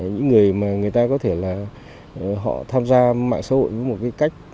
những người mà người ta có thể là họ tham gia mạng xã hội với một cái cách